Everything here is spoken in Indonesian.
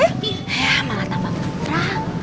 eh malah tambah putra